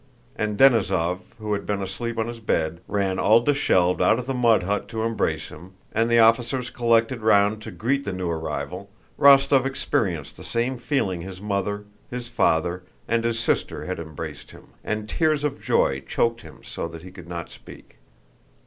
and Denísov, who had been asleep on his bed, ran all disheveled out of the mud hut to embrace him, and the officers collected round to greet the new arrival, Rostóv experienced the same feeling as when his mother, his father, and his sister had embraced him, and tears of joy choked him so that he could not speak.